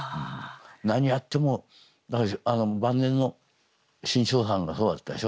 何やっても晩年の志ん生さんがそうだったでしょ。